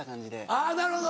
あぁなるほど。